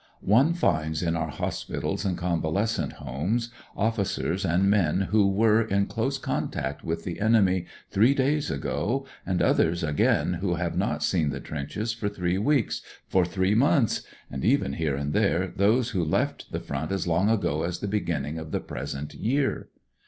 One finds in our hospitals and conva lescent homes officers and men who were in close contact with the enemy three days ago, and others, again, who have not seen the trenches for three weeks, for three months, and even here and there those who left the front as long ago £is the beginning of the present year.